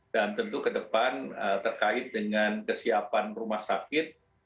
dan tentu kedepan terkait dengan kesiapan rumah sakit